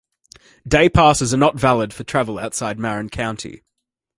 Day passes are not valid for travel outside Marin County.